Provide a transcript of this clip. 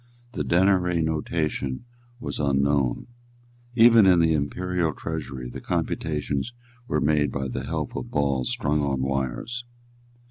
The denary notation was unknown. Even in the Imperial Treasury the computations were made by the help of balls strung on wires.